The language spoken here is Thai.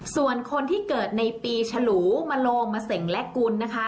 ส่วนคนที่เกิดในปีฉลูมโลงมาเสงและกุลนะคะ